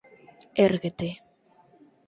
Érguete.